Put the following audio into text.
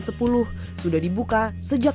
sudah dibuka sejak dua ribu tujuh belas